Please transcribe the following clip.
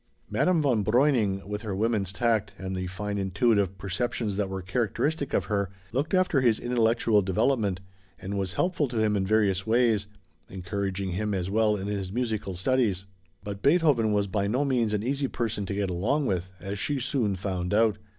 Madame von Breuning, with her woman's tact, and the fine intuitive perceptions that were characteristic of her, looked after his intellectual development, and was helpful to him in various ways, encouraging him as well in his musical studies. But Beethoven was by no means an easy person to get along with, as she soon found out.